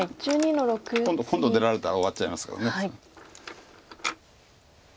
今度出られたら終わっちゃいますから。